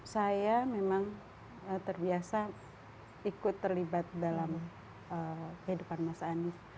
saya memang terbiasa ikut terlibat dalam kehidupan mas anies